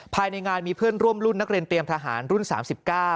ภายในงานมีเพื่อนร่วมรุ่นนักเรียนเตรียมทหารรุ่นสามสิบเก้า